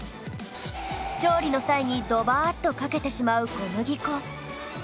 調理の際にドバーッとかけてしまう小麦粉